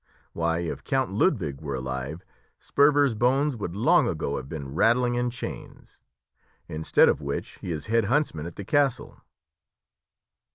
why, if Count Ludwig was alive, Sperver's bones would long ago have been rattling in chains; instead of which he is head huntsman at the castle."